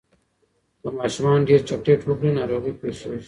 که ماشومان ډیر چاکلېټ وخوري، ناروغي پېښېږي.